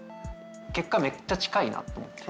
結果めっちゃ近いなと思って。